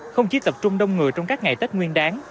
không chỉ tập trung đông người trong các ngày tết nguyên đáng